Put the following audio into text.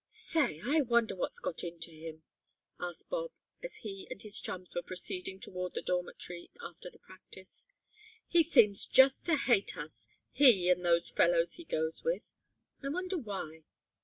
"Say, I wonder what's got into him?" asked Bob, as he and his chums were proceeding toward the dormitory after the practice. "He seems just to hate us he and those fellows he goes with. I wonder why?"